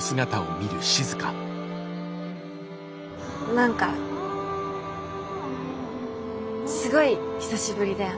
何かすごい久しぶりだよね。